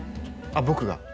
あっ僕が？